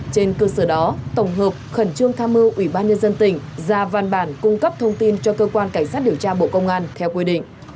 trên cơ sở đó tổng hợp khẩn trương tham mưu ubnd tỉnh ra văn bản cung cấp thông tin cho cơ quan cảnh sát điều tra bộ công an theo quy định